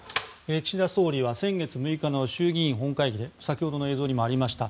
岸田総理は先月６日の衆議院本会議で先ほどの映像にもありました